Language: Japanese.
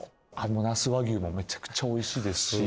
那須和牛もめちゃくちゃおいしいですし。